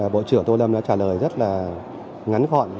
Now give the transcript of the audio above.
bộ trưởng tô lâm đã trả lời rất là ngắn gọn